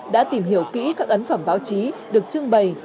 đã tìm hiểu kỹ các ấn phẩm báo chí được trưng bày